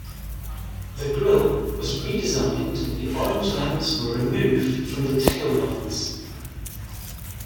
The grill was redesigned, and the orange lamps were removed from the taillights.